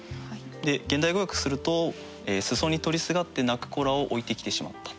現代語訳すると裾に取りすがって泣く子らを置いてきてしまった。